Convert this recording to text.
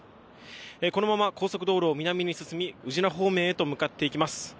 このまま高速道路を南に進み宇品方面へと向かっています。